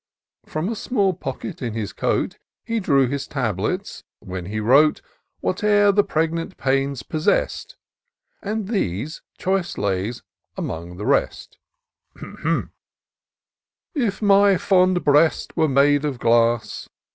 From a small pocket in his coat He drew his tablets, — ^when he wrote Whate'er the pregnant panes possess'd ; And these choice lays among the rest :" If my fond breast were made of glass.